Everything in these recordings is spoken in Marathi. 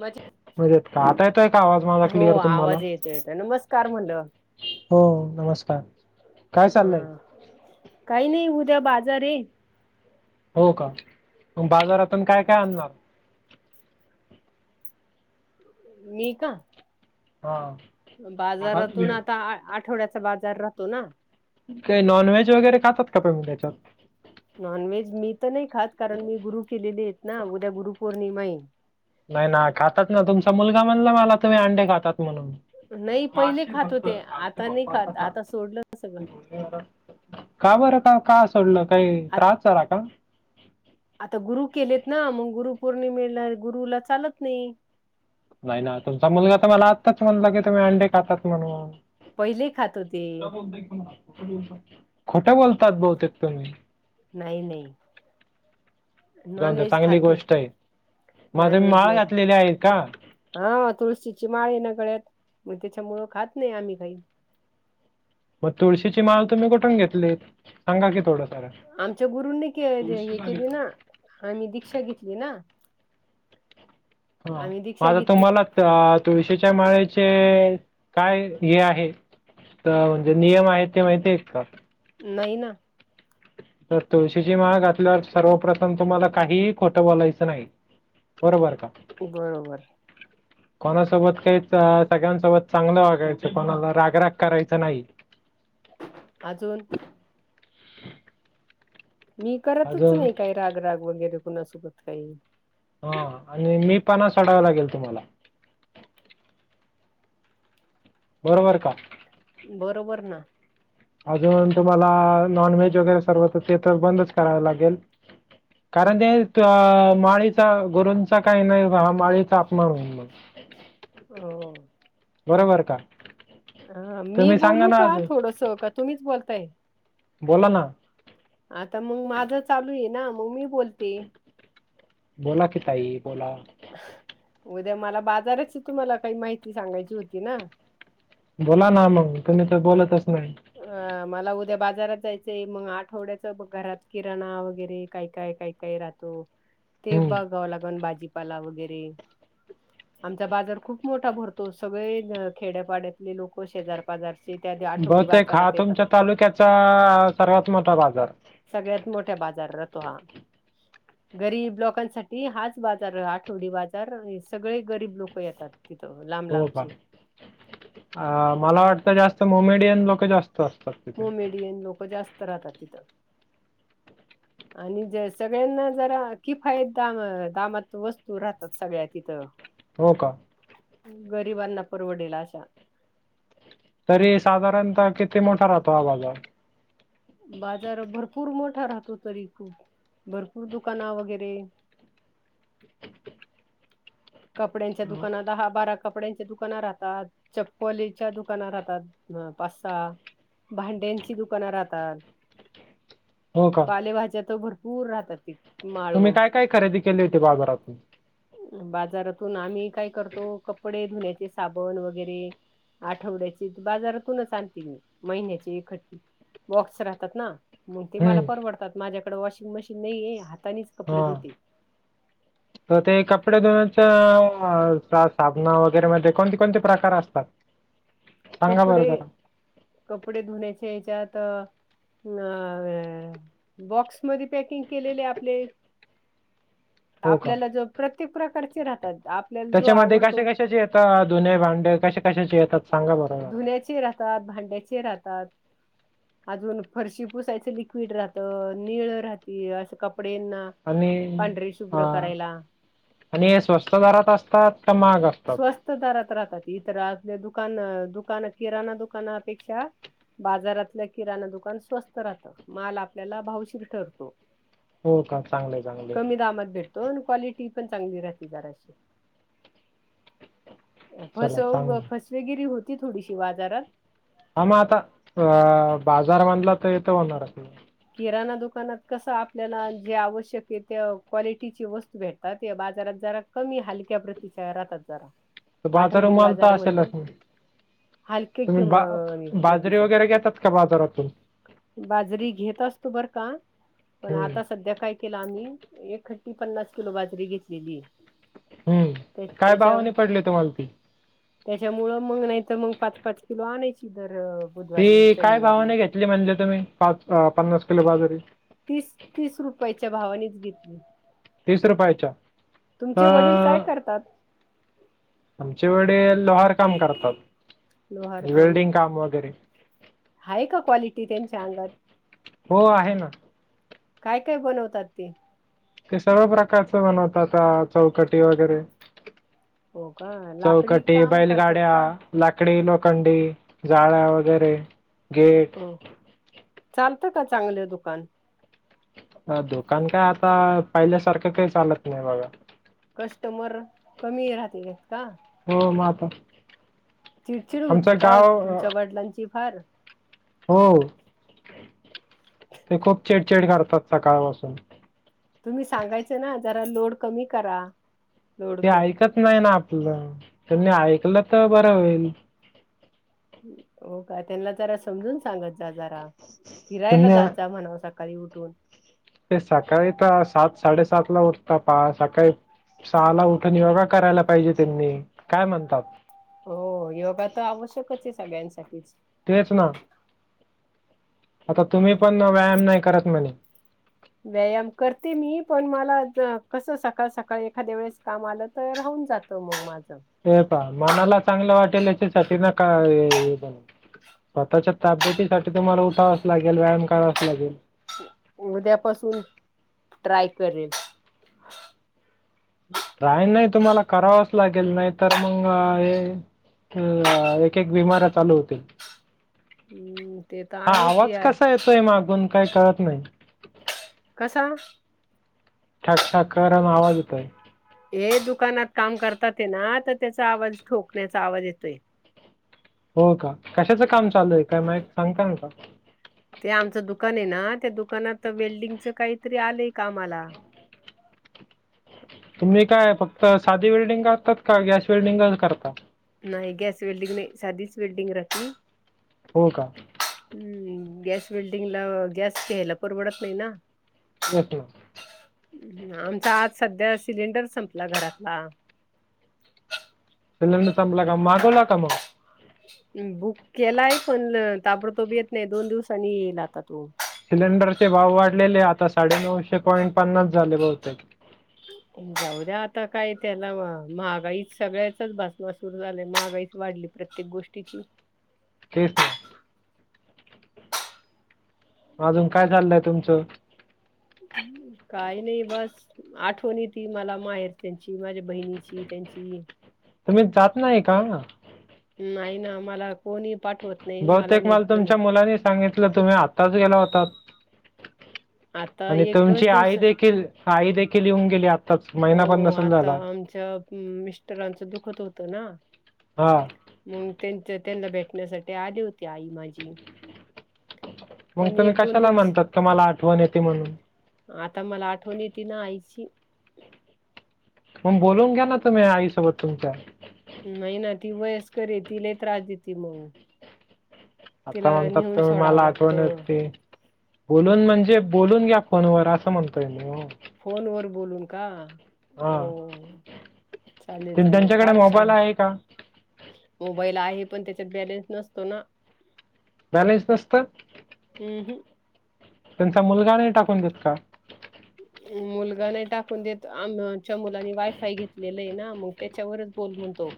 मज म्हणजे आता येतोय का आवाज माझा हो क्लिअर तुम्हाला आवाज येतो येतो नमस्कार म्हणलं हो नमस्कार काय चाललंय? अ काही नाही उद्या बाजार ये. हो का मग बाजारातून काय काय आणणार? मी का? हां बाजारातून आता आठवड्याचा बाजार राहतो ना. काही नॉनव्हेज वगैरे खातात का? तुमच्यात नॉनव्हेज मी तर नाही खात कारण मी गुरु केलेले आहेत ना उद्या गुरु पौर्णिमा आहे. नाही ना खातात ना तुमचा मुलगा म्हणला मला तुम्ही अंडे खातात. म्हणून. नाही पहिले खात होते. आता नाही खात आता सोडलं सगळं का बरं का? का सोडलं काही आ त्रास झाला का? आता गुरु केलेत ना. मग गुरु पौर्णिमेला गुरुला चालत नाही. नाही ना तुमचा मुलगा तर मला आता च म्हणला की तुम्ही अंडे खातात म्हणून पहिले खात होते खोटं बोलतात बहुतेक तुम्ही नाही, नाही. नॉन जाऊन द्या व्हेज चांगली खात नाही गोष्ट आहे. मध्ये नॉन व्हेज माळ नाही. घातलेली आहे का? हां तुळशीची माळ आहे ना गळ्यात मग त्यांच्यामुळे खात नाही आम्ही काही ह मग तुळशीची माळ कुठून घेतली सांगा की थोडसं आमच्या गुरूंनी हे केले ना आम्ही दीक्षा घेतली ना. हं आम्ही दीक्षा माझं घेतली तुम्हाला तुळशीच्या माळेचे काय हे आहे तर जे नियम आहेत ते माहिती आहेत का? नाही ना. तर तुळशीची माळ घातल्यावर सर्वप्रथम तुम्हाला काहीही खोटं बोलायचं नाही. बरोबर का? बरोबर कोणासोबत काही सगळ्यांसोबत चांगलं वागायचं कोणाला रागराग करायचा नाही. अजून मी करतच अजून नाही काही राग राग वगैरे कोणासोबत काही हां आणि मी पणा सोडावा लागेल तुम्हाला बरोबर का? बरोबर ना. अजून तुम्हाला नॉनव्हेज वगैरे सर्व तर ते तर बंदच कराव लागेल. कारण ते माळीचा गुरूंचा काही नाही माळीचा अपमान होतो. हो बरोबर का मी तुम्ही सांगा बोलू ना का आज थोड थोडस. तुम्हीच बोलताय. बोला ना. आता मग माझं चालू आहे ना मग मी बोलते. बोला की ताई बोला. उद्या मला बाजाराची तुम्हाला काही माहिती सांगायची होती ना. बोला ना मग तुम्ही तर बोलतच नाही. अ मला उद्या बाजारात जायचंय मग आठवड्याचं घरात किराणा वगैरे काय काय काय काही राहतो ते हम्म बघावं लागन भाजीपाला वगैरे. आमचा बाजार खूप मोठा भरतो सगळे खेड्यापाड्यातले लोकं शेजार पाजारचे त्या दि- आठवडी बहुतेक हा बाजारात येतात तुमच्या तालुक्याचा सर्वात मोठा बाजार. सगळ्यात मोठ्या बाजार राहतो हा गरीब लोकांसाठी हाच बाज जार आठवडी बाजार सगळे गरीब लोकं येतात. तिथं ला हो का मला वाटतं जास्त मोमेडियन लोक जास् तं असतात तिथे डियन लोकं जास्त राहतात तिथं. आणि ज सगळ्यांना जरा किफायत दामात वस्तू राहतात सगळ्या तिथं. हो का? गरिबांना परवडेल अशा. तरी साधारणतः किती मोठा राहतो हा बाजार? बाजार भरपूर मोठा राहतो तरी खूप भरपूर दुकाना वगैरे कपड्यांच्या दुकाना दहा बारा कपड्यांच्या दुकानं राहतात, चप्पलीच्या दुकाना राहतात पाच- सहा भांड्यांची दुकानं राहतात. हो का पालेभाज्या तर भरपूर राहतात तिथे तुम्ही काय काय खरेदी केली होती बाजारातून? बाजारातून आम्ही काय करतो कपडे धुण्याचे साबण वगैरे आठवड्याची बाजारातूनच आणते मी महिन्याची एकट्ठी. बॉक्स राहतात ना. मग ते मला हम्म परवडतात माझ्याकडं वॉशिंग मशीन नाहीये हातानीच कपडे हा धुते. तर ते कपडे धुण्याचं सा साबणा वगैरे मध्ये कोणते कोणते प्रकार असतात? सांगा बरं कपडे जरा कपडे धुण्याचे हेच्यात नं अ बॉक्स मध्ये पॅकिंग केलेले आपले हो का आपल्याला जो प्रत्येक प्रकारचे राहतात. आ त्याच्यामध्ये कशा कशाचे येतात धुणे भांडे कशा कशाचे? अ सांगा बरं जरा. धुण्याचे राहतात, भांड्याचे राहतात. अजून फरशी पुसायचं लिक्विड राहतं निळ राहती असं कपड्यांना आणि पांढरी अ शुभ्र करायला. आणि हे स्वस्त दरात असतात का महाग असं? स्वस्त दरात राहतात, इतर आपले दुकान दुकान किराणा दुकानपेक्षा बाजारातल्या किराणा दुकान स्वस्त राहतो, माल आपल्याला भावशीर ठरतो. हो का चांगले चांगले कमी दामात भेटतो, आणि क्वालिटी पण चांगली राहते दराशी. चला फसव चांगलं फसवेगिरी होती थोडीशी बाजारात. हा मग आता, अं बाजार म्हणला तर येतं होणारच ना. किराणा दुकानात कसं आपल्याला जे आवश्यक आहे त्या क्वालिटीची वस्तू भेटतात, या बाजारात जरा कमी हलक्या प्रतीच्या राहातात, जरा तर आठवडी माल बाजार तर म्हणल. असेलच ना हलके क तुम्ही बा म बाजरी प्रतिच्या, वगैरे घेतात का बाजारातून? बाजरी घेत असतो बरं का, पण हम्म आता सध्या काय केलं आम्ही, एक खट्टी पन्नास किलो बाजरी घेतलेलीय. हम्म, काय भावाने पडले तुमाला ती? त्याच्यामुळं मग नाही तर मग पाच पाच किलो आणायची तर ती काय भावाने घेतली म्हणलं तुम्ही, पाच पन्नास किलो बाजरी? तीस, तीस रुपयाच्या भावानेच घेतली. तीस रुपयाच्या? तुमचे वडील काय अ करतात? आमचे वडिल लोहार काम करतात, लोहार वेल्डिंग काम वगैरे. हाय का क्वालिटी त्यांच्या अंगात? हो आहे ना. काय काय बनवतात ते? ते सर्व प्रकारचं बणवतात आता चौकटी वगैरे हो का लाकडी चौकटी, काम करतात बैलगाड्या. का लाकडी लोखंडी जाळ्या, वगैरे गेट. हो, चालतं का चांगलं दुकान? दुकान काय आता पहिल्यासारखं काही चालत नाही बघा. कस्टमर, कमी राहतेत का? हो म आता चिडचिड होती आमचं का गाव अ, तुमच्या वडिलांची फार. हो, ते खूप चिडचिड करतात सकाळ पासून. तुम्ही सांगायचं ना जरा लोड कमी करा. लोड ते क- ऐकत नाही ना आपलं, त्यांनी ऐकलं तर बरं होईल. हो का, त्यांना जरा समजून सांगत जा जरा, फिरायला जात त्यांनी जा म्हणाव स काळी उठून. ते सकाळी तर सात साडेसात ला उठता पहा सकाळी सहाला उठून योगा करायला पाहिजे त्यांनी. काय म्हणतात हो, योगा तर आवश्यकच आहे सगळ्यांसाठीच. तेच ना. आता तुम्ही हम्म. पण व्यायाम नाही करत म्हणे व्यायाम करते मी, पण मला कस सकाळ सकाळी एखाद्या वेळेस काम आलं तर राऊन जात तं मग माझं. ते पहा मनाला चांगलं वाटेल याच्या का स्वतःच्या तबेतीसाठी तुम्हाला उठावंच लागेल, व्यायाम करावाच लागेल. उद्यापासून ट्राय करेल. ट्राय नाही, तुम्हाला करावच लागेल, नाही तर मग हे एकेक बिमारी चालू होतील. हम्म ते तर हा, आहेच आवाज यार कसा येतोय मागून काही कळत नाही. कसा. ठक ठक करून आवाज येतोय हे दुकानात काम करतात ते ना, तर त्याचा आवाज ठोकण्याचा आवाज येतोय. हो का कशाचं काम चालू आहे काय मा सांगता न का? ते आमचं दुकान आहे ना त्या दुकानात वेल्डिंगचं काहीतरी आलंय का आम्हाला तुम्ही काय फक्त साधी विल्डिंग करतात का गॅस विल्डिंगच करता. नाही गॅस वेल्डिंग नाही साधीच वेल्डिंग राती हो का! हम्म गॅस विल्डिंगला गॅस घ्यायला परवडत नाही. ना ओट [unintelligible] आमचा आज सध्या सिलेंडर संपला घरातला. सिलेंडर संपला का मागवला का मग? बुक केलाय पण ताबडतो बी येत नाही. दोन दिवसांनी येईल आता तो सिलेंडरचे भाव वाढलेले आता साडेनऊशे पॉईंट पन्नास झाले बहुतेक जाऊ द्या काय त्याला महागाई सगळ्याचच भासमा सुर महागाईच वाढली. प्रत्येक गोष्टीची तेच तर, अजून काय चाललंय तुमचं? काही नाही बस आठवणी ती मला माहेर त्यांची माझ्या बहिणीची त्यांची तुम्ही जात नाही का? नाही ना मला कोणी पाठवत. नाही मला बहुतेक नेत माल पण नाही. तुमच्या मुलांनी सांगितलं तुम्ही आत्ताच गेला होता. आता आणि एकच तुमची दिवस आई देखील आई देखील येऊन गेली आत्ताच महिना पण नसेल झाला. च मिस्टरांचं दुःखत होतं ना हा.. मग त्यांच त्यांना भेटण्यासाठी आली होती. आई माझी मग पण तुम्ही एक दोन कशाला दिवस म्हणतात. तूम्हाला आठवण येते म्हणून आता मला आठवण येती ना आईची मग बोलवून घ्या ना तुम्ही आईसोबत तुमच्या नाही ना ती वयस्कर हाय ति लई त्रास देते मग, आता तिला म्हणतात नेऊन तुम्ही मला सोडावं आठवण लागतं येती. बोलून म्हणजे बोलून घ्या फोनवर असं म्हणतोय मी ओ. फोन वर बोलून का? हा हो चालेल त चालेल त्यांच्याकडे फार मोबाईल छान आहे का? मोबाईल आहे पण त्याच्यात बॅलेन्स नसतो ना बॅलेन्स नसत! हम् हम, त्यांचा मुलगा नाही टाकून देत का? मुलगा नाही टाकून देत आमच्या मुलांनी वायफाय घेतलेला आहे ना म त्याच्यावरच बोल म्हणतो.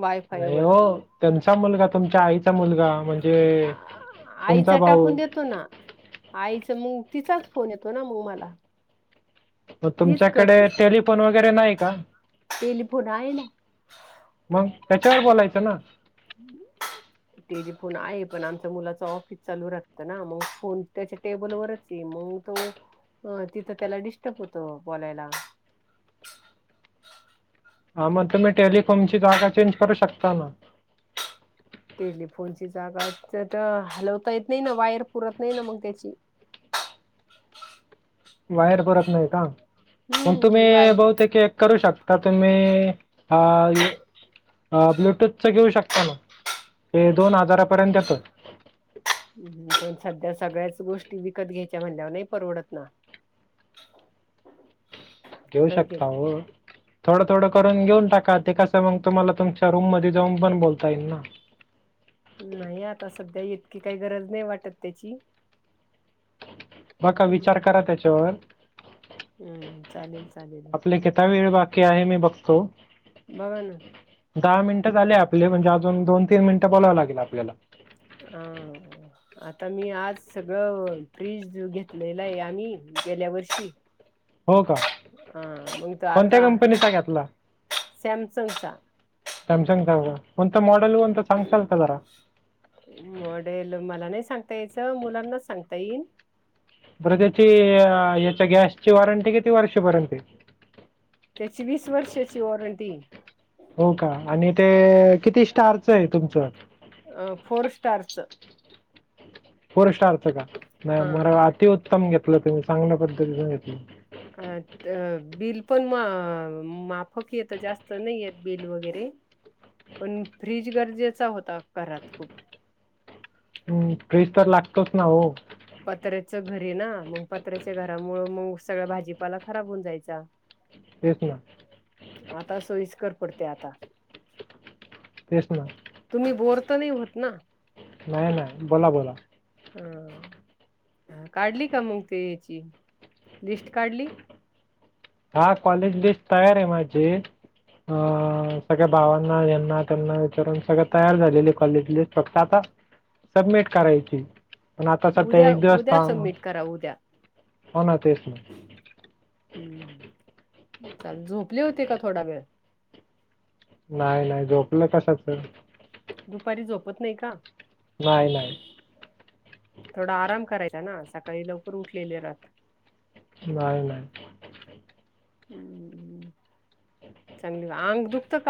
वायफाय नाही वर हो त्यांचा मुलगा तुमच्या आईचा मुलगा म्हणजे आ- तुमचा आईचा भाऊ टाकून दे. तो ना, आईच मग तिचाच फोन येतो. ना मग मला म तीच तुमच्याकडे करते टेलिफोन वगैरे नाही का? टेलिफोन आहे. ना मग त्याच्यावर बोलायचं ना! [inaudible] ते जे फोन आहे पण आमच मुलाच ऑफिस चालू राहतं. ना मग फोन त्याच्या टेबलवरच मग तो तिथं त्याला डिस्टर्ब होतो. बोलायला हा मग तुम्ही टेलिकोम ची जागा चेंज करू शकता ना. टेलीफोनची जागा हलवता येत नाही ना, वायर पुरत नाही ना मग त्याची. वायर पुरत नाही का? मग हम्म बाय तुम्ही, बहुतेक एक करू शकता तुम्ही अ अ ब्लुटूथच घेऊ शकता ना,, ते दोन हजारापर्यंत येतं. हम्म, पण सध्या सगळ्याच गोष्टी विकत घ्यायच्या म्हणल्यावर नाही परवडत ना. घेऊ हो की शकता ओ. थोडं थोडं करून घेऊन टाका, ते कसं मग तुम्हाला तुमच्या रूम मध्ये जाऊन पण बोलता येईल ना. नाही आता सध्या इतकी काई गरज नाही वाटत त्याची. बघा विचार हम्म करा त्याच्यावर. हम्म चालेल चालेल. आपला किता वेळ बाकी आहे मी बघतो,, बघा ना दहा मिनिट झाले आपले म्हणजे अजून दोन तीन मिनिटं बोलावं लागेल आपल्याला. हा आता मी आज सगळं, फ्रीज घेतलेला आहे आम्ही गेल्या वर्षी. हो का हा मग तर कोणत्या आता कंपनीचा घेतला सॅमसंगचा. सॅमसंग चा का, कोणतं मॉडल कोणतं सांगताल का जरा? मॉडेल मला नाही सांगता यायचं, मुलांनाच सांगता येईल. बरं त्याची याच्या गॅसची वॉरंटी किती वर्षापर्यंत आहे? त्याची वीस वर्षाची वॉरंटी य. हो का,, आणि ते किती स्टारच आहे तुमचं? अ फोर स्टारचं. फोर स्टारचं का,, मग हा अतिउत्तम घेतलं तुम्ही चांगल्या पद्धतीनच घेतलं. अ बिल पण माफक येतं, जास्त नाही येत बिल वगैरे. पण फ्रीज गरजेचा होता, घरात खूप. हम्म, फ्रीज तर लागतोच ना हो! पत्र्याचं घर आहे ना,, मग पत्र्याच्या घरामुळं मग सगळा भाजीपाला खराब होऊन जायचा. [inaudible] तेच ना. आता सोयीस्कर पडतय आता. तेच ना. तुम्ही बोर तर नाही होत ना? नाही नाही बोला बोला. अं हं काढली का मग ते याची, लिस्ट काढली? हा कॉलेज लिस्ट तयार आहे माझी अ सगळ्या भावांना यांना त्यांना विचारून सगळं तयार झालेलीये कॉलेजची लिस्ट,, फक्त आता सबमिट करायचीय, पण आता सध्या उद्या एक दिवस उद्या था सबमिट करा उद्या हो ना तेच. हम्म, चल झोपली होती का थोडा वेळ? नाही नाही झोपलं कशाच! दुपारी झोपत नाही का? नाही नाही. थोडा आराम करायचा ना,, सकाळी लवकर उठलेले राहते. नाही नाही. ह् चांगली अंग दुखत का?